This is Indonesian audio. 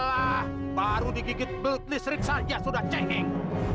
alah baru di gigit belut listerik saja sudah ceheng